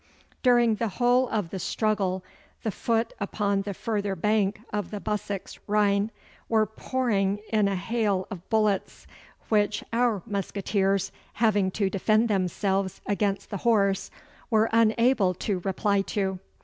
During the whole of the struggle the foot upon the further bank of the Bussex Rhine were pouring in a hail of bullets, which our musqueteers, having to defend themselves against the horse, were unable to reply to.